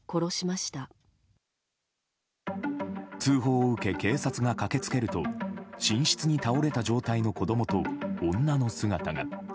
通報を受け警察が駆け付けると寝室に倒れた状態の子供と女の姿が。